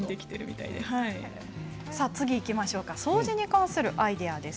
掃除に関するアイデアです。